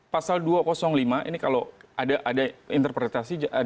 pasal dua ratus lima ini kalau ada interpretasi di jangka waktu